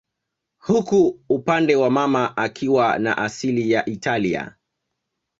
huku upande wa mama akiwa na asili ya Italia